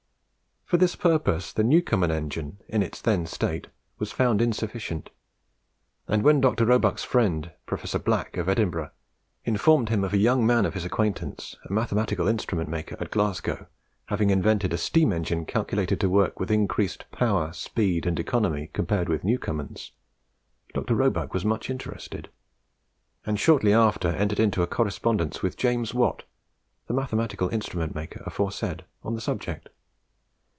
For this purpose the Newcomen engine, in its then state, was found insufficient; and when Dr. Roebuck's friend, Professor Black, of Edinburgh, informed him of a young man of his acquaintance, a mathematical instrument maker at Glasgow, having invented a steam engine calculated to work with increased power, speed, and economy, compared with Newcomen's; Dr. Roebuck was much interested, and shortly after entered into a correspondence with James Watt, the mathematical instrument maker aforesaid on the subject.